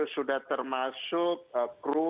sudah termasuk kru